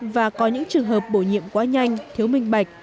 và có những trường hợp bổ nhiệm quá nhanh thiếu minh bạch